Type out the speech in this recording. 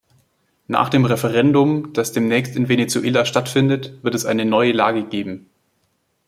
Nach dem Referendum, das demnächst in Venezuela stattfindet, wird es eine neue Lage geben.